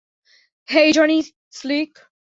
Hey, Johnny slick!